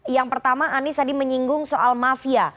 yang pertama anies tadi menyinggung soal mafia